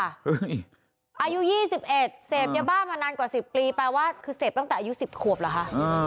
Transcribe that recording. อายุ๒๑เสพยาบ้ามานานกว่า๑๐ปีแปลว่าคือเสพตั้งแต่อายุ๑๐ขวบเหรอคะ